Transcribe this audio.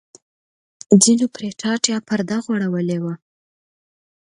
ځینو پرې ټاټ یا پرده غوړولې وه.